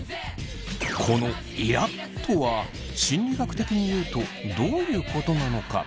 この「イラっ」とは心理学的にいうとどういうことなのか？